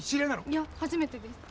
いや初めてです。